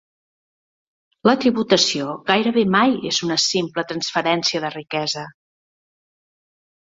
La tributació gairebé mai és una simple transferència de riquesa.